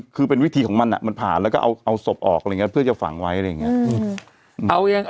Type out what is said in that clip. คือเป็นวิธีของมันมันผ่านแล้วก็เอาศพออกอะไรอย่างนี้เพื่อจะฝังไว้อะไรอย่างนี้